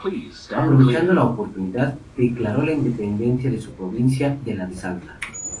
Aprovechando la oportunidad, declaró la independencia de su provincia de la de Salta.